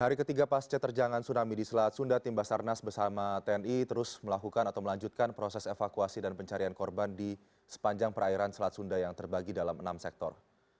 hari ketiga pasca terjangan tsunami di selat sunda tim basarnas bersama tni terus melakukan atau melanjutkan proses evakuasi dan pencarian korban di sepanjang perairan selat sunda yang terbagi dalam enam sektor